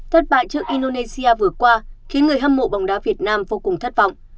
thất bại trước indonesia vừa qua khiến người hâm mộ bóng đá việt nam vô cùng thất vọng